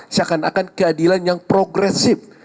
seakan akan keadilan yang progresif